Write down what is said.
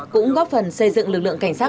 cũng góp phần xây dựng lực lượng cảnh sát